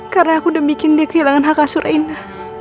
karena aku udah bikin dia kehilangan hak asur rina